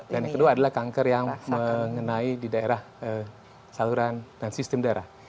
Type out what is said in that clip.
dan yang kedua adalah kanker yang mengenai di daerah saluran dan sistem darah